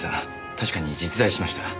確かに実在しました。